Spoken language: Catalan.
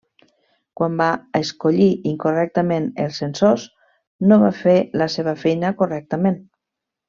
Quan va escollir incorrectament els sensors no va fer la seva feina correctament.